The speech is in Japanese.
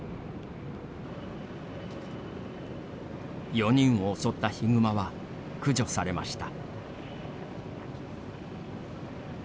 ４人を襲ったヒグマは駆除されました。